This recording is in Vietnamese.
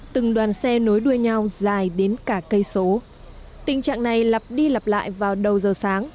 từng đoàn xe nối đuôi nhau dài đến cả cây số tình trạng này lặp đi lặp lại vào đầu giờ sáng